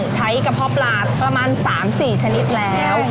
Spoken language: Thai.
กระเพาะปลาประมาณ๓๔ชนิดแล้ว